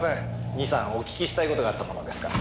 ２３お聞きしたい事があったものですから。